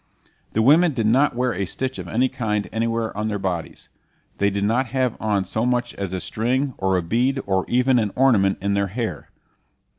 The women did not wear a stitch of any kind anywhere on their bodies. They did not have on so much as a string, or a bead, or even an ornament in their hair.